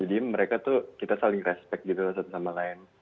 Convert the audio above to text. jadi mereka tuh kita saling respect gitu satu sama lain